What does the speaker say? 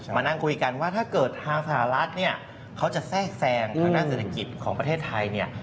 มานั่งคุยกันว่าถ้าเกิดทางสหรัฐเนี่ยเขาจะแทรกแซงทางด้านเศรษฐกิจของประเทศไทยเนี่ย